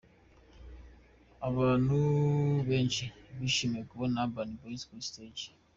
Abantu benshi bishimiye kubona Urban Boys kuri stage.